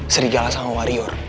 serigala sama warior